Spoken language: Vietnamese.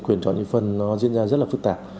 quyền chọn nhân phân nó diễn ra rất là phức tạp